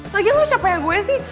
lagian lo siapa ya gue sih